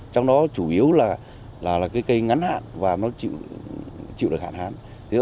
trong đó chủ yếu là cây ngắn hạn và nó chịu được hạn hán